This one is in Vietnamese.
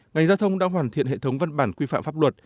ngành giao thông đã hoàn thiện hệ thống văn bản quy phạm pháp luật